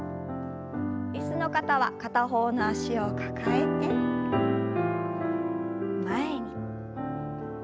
椅子の方は片方の脚を抱えて前に。